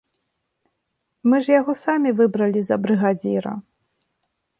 Мы ж яго самі выбралі за брыгадзіра.